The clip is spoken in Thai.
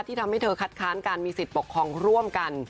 ทำให้เธอคัดค้านการมีสิทธิ์ปกครองร่วมกัน